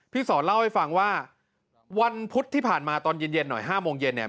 สอนเล่าให้ฟังว่าวันพุธที่ผ่านมาตอนเย็นหน่อย๕โมงเย็นเนี่ย